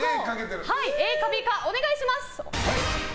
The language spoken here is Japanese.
ＡかＢかお願いします。